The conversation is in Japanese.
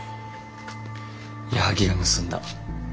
矢作が盗んだ。